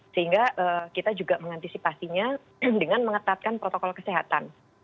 sehingga kita juga mengantisipasinya dengan mengetatkan protokol kesehatan